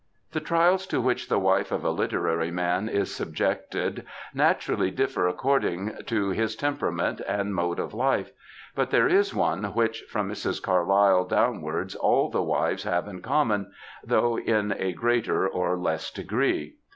The trials to which the wife of a literary man is sub jected naturally differ according to his temperament and mode of life, but there is one which, from Mrs. Carlyle down wards, all the wives have in common, though in a greater or 104 MEN, WOMEN, AND MINXES less degree.